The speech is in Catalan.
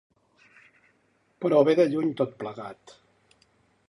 Però ve de lluny, tot plegat.